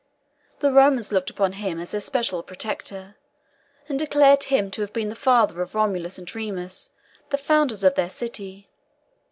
The Romans looked upon him as their special protector, and declared him to have been the father of Romulus and Remus, the founders of their city.